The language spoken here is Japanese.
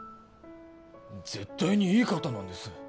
絶対にいい方なんです